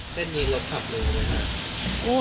เส้นมีรถขับเลยหรือเปล่า